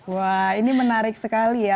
wah ini menarik sekali ya